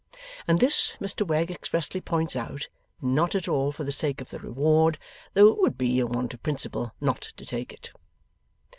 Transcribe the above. And this, Mr Wegg expressly points out, not at all for the sake of the reward though it would be a want of principle not to take it.